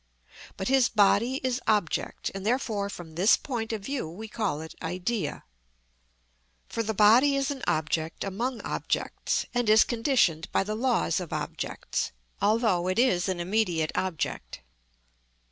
But his body is object, and therefore from this point of view we call it idea. For the body is an object among objects, and is conditioned by the laws of objects, although it is an immediate object.